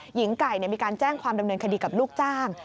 หญิงไก่มีการแจ้งความดำเนินคดีกับลูกจ้าง